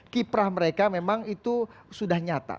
kiprah mereka memang itu sudah nyata